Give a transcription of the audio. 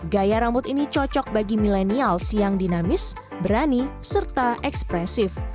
gaya rambut ini cocok bagi milenial siang dinamis berani serta ekspresif